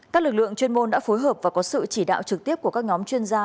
các lực lượng chuyên môn đã phối hợp và có sự chỉ đạo trực tiếp của các nhóm chuyên gia